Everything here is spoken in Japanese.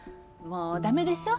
もう駄目でしょ。